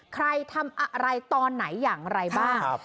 ใครทำอะไรตอนไหนอย่างไรบ้าง